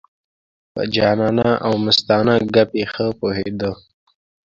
په جانانه او مستانه ګپې ښه پوهېده.